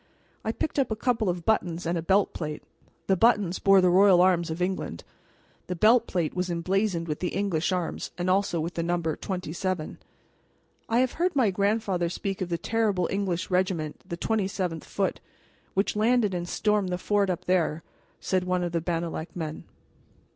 I picked up a couple of buttons and a belt plate. The buttons bore the royal arms of England; the belt plate was emblazoned with the English arms and also with the number "27." "I have heard my grandfather speak of the terrible English regiment, the 27th Foot, which landed and stormed the fort up there," said one of the Bannalec men.